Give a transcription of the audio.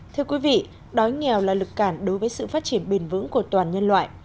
thưa quý vị đói nghèo là lực cản đối với sự phát triển bền vững của toàn nhân loại